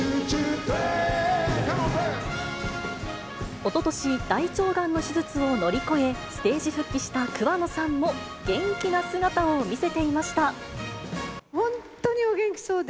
おととし、大腸がんの手術を乗り越え、ステージ復帰した桑野さんも、本当にお元気そうで。